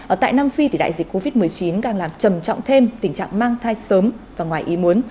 ở tại nam phi thì đại dịch covid một mươi chín đang làm trầm trọng thêm tình trạng mang thai sớm và ngoài ý muốn